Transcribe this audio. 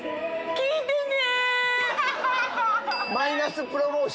聴いてね！